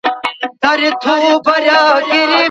دوستانو سره لیدل د روغتیا لپاره ګټور دي؟